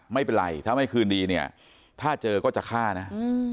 ไม่เป็นไรถ้าไม่คืนดีเนี่ยถ้าเจอก็จะฆ่านะ